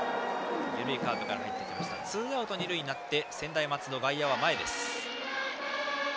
ツーアウト二塁になって専大松戸、外野は前です。